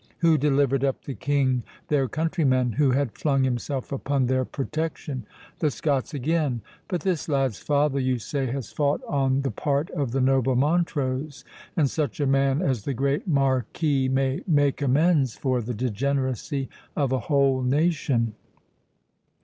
Who delivered up the King, their countryman, who had flung himself upon. their protection?—the Scots again. But this lad's father, you say, has fought on the part of the noble Montrose; and such a man as the great Marquis may make amends for the degeneracy of a whole nation."